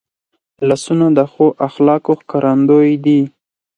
لاسونه د ښو اخلاقو ښکارندوی دي